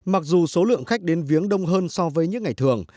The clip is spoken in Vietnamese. mặc dù số lượng khách đến viếng đông hơn so với những ngày thường